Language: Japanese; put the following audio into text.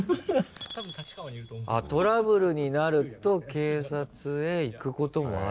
トラブルになると警察へ行くこともある。